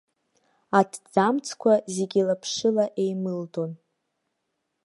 Аҭӡамцқәа зегьы лаԥшыла еимылдон.